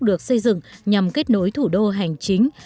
được xây dựng nhằm kết nối thủ đô hành chính